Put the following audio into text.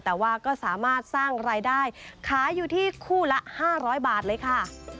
แต่ว่าก็สามารถสร้างรายได้ขายอยู่ที่คู่ละ๕๐๐บาทเลยค่ะ